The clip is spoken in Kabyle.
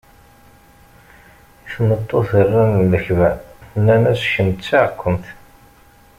I tmeṭṭut rran lekben, nnan-as kemm d taɛkumt.